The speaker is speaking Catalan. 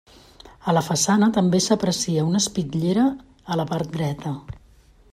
A la façana també s'aprecia una espitllera a la part dreta.